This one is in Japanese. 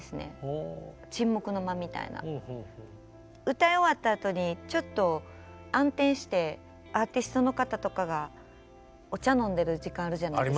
歌い終わったあとにちょっと暗転してアーティストの方とかがお茶飲んでる時間あるじゃないですか。